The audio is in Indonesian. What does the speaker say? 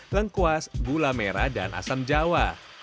lengkuas gula merah dan asam jawa